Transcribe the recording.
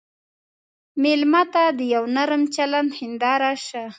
مېلمه ته د یوه نرم چلند هنداره شه.